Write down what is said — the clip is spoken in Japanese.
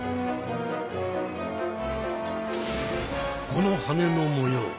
このはねの模様